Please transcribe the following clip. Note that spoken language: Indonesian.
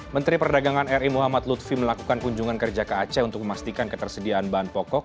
menteri perdagangan ri muhammad lutfi melakukan kunjungan kerja ke aceh untuk memastikan ketersediaan bahan pokok